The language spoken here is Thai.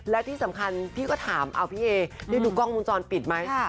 และที่สำคัญพี่ก็ถามพี่เอได้ดูกล้องวงจรปิดไหม